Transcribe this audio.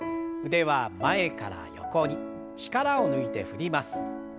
腕は前から横に力を抜いて振ります。